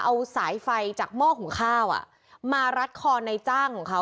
เอาสายไฟจากหม้อหุงข้าวมารัดคอในจ้างของเขา